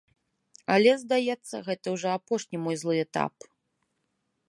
Але, здаецца, гэта ўжо апошні мой злы этап.